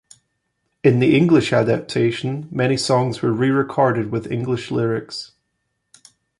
In the English adaptation, many songs were re-recorded with English lyrics.